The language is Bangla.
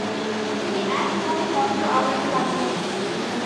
তিনি একমনে মন্ত্র আওড়াতে লাগলেন।